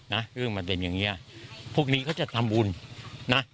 เรื่องมันเป็นอย่างเงี้ยพวกนี้เขาจะทำบุญนะ